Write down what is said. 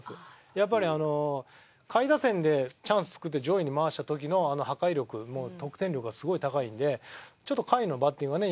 やっぱり下位打線でチャンス作って上位に回した時のあの破壊力得点力がすごい高いんでちょっと甲斐のバッティングはね